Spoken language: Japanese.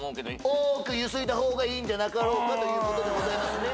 「多くゆすいだ方がいいんじゃなかろうかということでございますね」